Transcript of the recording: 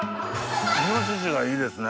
イノシシがいいですね。